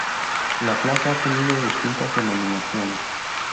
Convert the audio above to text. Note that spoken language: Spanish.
La plaza ha tenido distintas denominaciones.